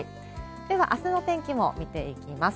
では、あすの天気も見ていきます。